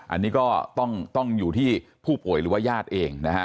อันนี้ก็ต้องอยู่ที่ผู้ป่วยหรือว่าญาติเองนะฮะ